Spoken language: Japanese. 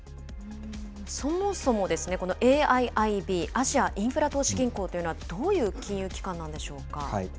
そもそもこのＡＩＩＢ・アジアインフラ投資銀行というのは、どういう金融機関なんでしょうか？